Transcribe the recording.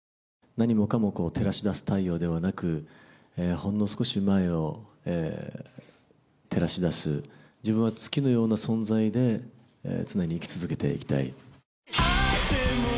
何もかも、照らし出す太陽ではなく、ほんの少し前を照らし出す、自分は月のような存在で、常に生き続けていきたい。